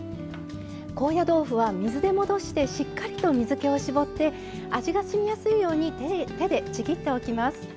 高野豆腐は水で戻してしっかりと水けを絞って味がしみやすいように手でちぎっておきます。